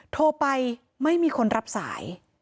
โทรไปไม่มีคนรับสาย